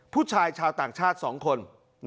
ผู้ชายชาวต่างชาติ๒คน